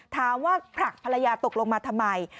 ผลักภรรยาตกลงมาทำไม